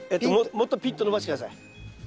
もっとピンと伸ばして下さい。